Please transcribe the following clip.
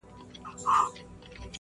د هوی و های د محفلونو د شرنګاه لوري,